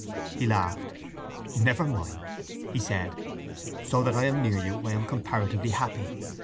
He laughed. "Never mind!" he said. "So that I am near you, I am comparatively happy.